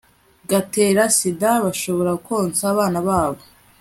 gatera sida bashobora konsa abana babo